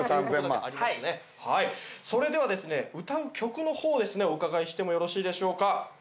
それではですね歌う曲の方をですねお伺いしてもよろしいでしょうか？